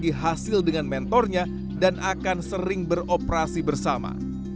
dibagi hasil dengan mentornya dan akan sering beroperasi bersama